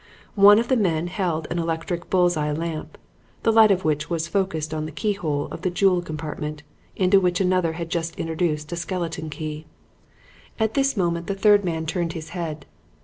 One of the men held an electric bulls eye lamp, the light of which was focussed on the keyhole of the jewel compartment, into which another had just introduced a skeleton key. At this moment, the third man turned his head.